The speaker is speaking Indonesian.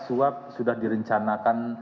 suap sudah direncanakan